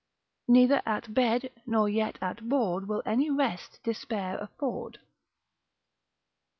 Neither at bed, nor yet at board, Will any rest despair afford.